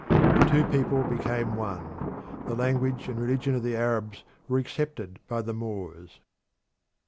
The two peoples became one; the language and religion of the Arabs were accepted by the Moors.